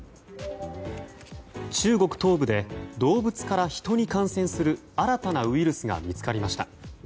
中国東部で動物から人に感染する新たなウイルスが見つかりました。